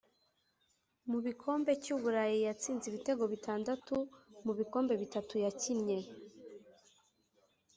Mu bikombe cy’u Burayi yatsinze ibitego bitandatu mu bikombe bitatu yakinnye